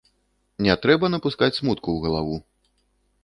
Не трэба напускаць смутку ў галаву.